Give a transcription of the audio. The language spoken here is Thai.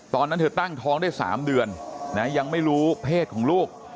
ตอนนั้นเธอตั้งท้องได้๓เดือนยังไม่รู้เพศของลูก